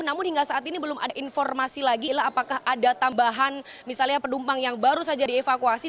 namun hingga saat ini belum ada informasi lagi apakah ada tambahan misalnya penumpang yang baru saja dievakuasi